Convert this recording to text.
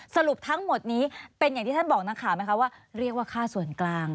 สรุปทั้งหมดนี้เป็นอย่างที่ท่านบอกนักข่าวไหมคะว่าเรียกว่าค่าส่วนกลาง